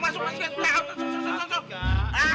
masuk masuk masuk